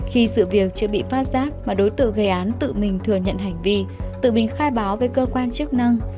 khi sự việc chưa bị phát giác mà đối tượng gây án tự mình thừa nhận hành vi tự mình khai báo với cơ quan chức năng